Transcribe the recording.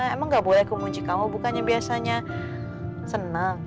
emang gak boleh aku muji kamu bukannya biasanya senang